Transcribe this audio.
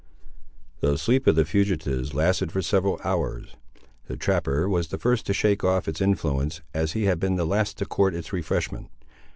The sleep of the fugitives lasted for several hours. The trapper was the first to shake off its influence, as he had been the last to court its refreshment.